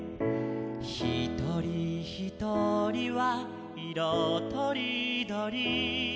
「ひとりひとりはいろとりどり」